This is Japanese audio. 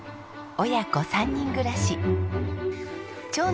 親子３人暮らし。